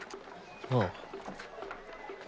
ああ。